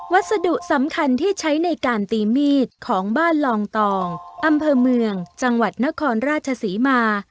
วัสดุสำคัญที่ใช้ในการตีมีดของบ้านลองตองอำเภอเมืองจังหวัดนครราชศรีมา